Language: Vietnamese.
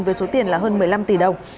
với số tiền hơn một mươi năm tỷ đồng